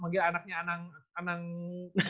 nah kita udah minggu lagi